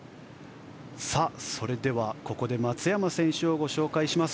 それでは、ここで松山選手をご紹介します。